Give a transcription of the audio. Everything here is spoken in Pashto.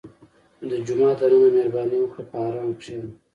• د جومات دننه مهرباني وکړه، په ارام کښېنه.